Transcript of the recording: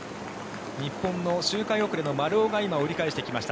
日本の周回遅れの丸尾が折り返してきました。